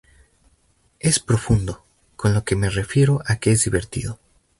Es profundo, con lo que me refiero a que es divertido.